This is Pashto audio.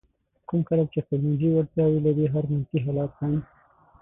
کوم خلک چې خپلمنځي وړتیاوې لري هر منفي حالت هم.